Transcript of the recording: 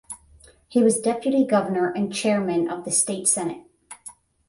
He was Deputy Governor and Chairman of the State Senate.